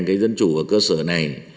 cái dân chủ ở cơ sở này